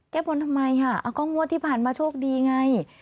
แก้บนทำไมค่ะก็งวดที่ผ่านมาโชคดีไง